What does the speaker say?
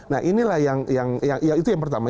nah inilah yang ya itu yang pertama